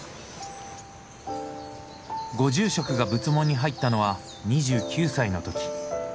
ご住職が仏門に入ったのは２９歳の時。